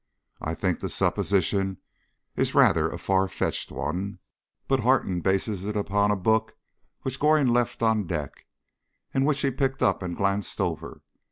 I think the supposition is rather a far fetched one, but Harton bases it upon a book which Goring left on deck, and which he picked up and glanced over.